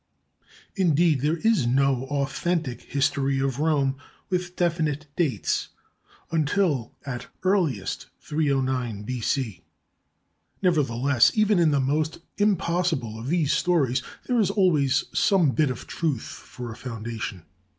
Indeed, there is no authentic history of Rome with definite dates until at earliest 309 B.C. Neverthe less, even in the most impossible of these stories there is always some bit of truth for a foundation.